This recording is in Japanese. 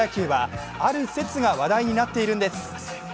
水曜日のプロ野球はある説が話題になっているんです。